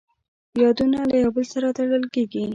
یادونه له یو بل سره تړل کېږي.